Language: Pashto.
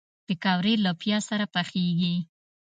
پکورې له پیاز سره پخېږي